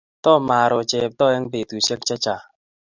Tomaro Cheptoo eng' petusyek che chang'